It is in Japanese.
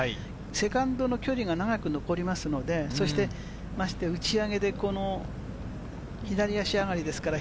セカンドの距離が長く残りますので、まして打ち上げで左足上がりですから。